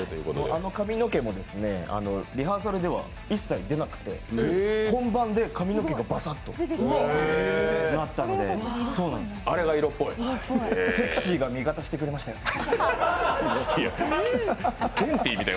あの髪の毛もリハーサルでは一切でなくて、本番で髪の毛がバサっとなったので、セクシーが味方してくれました。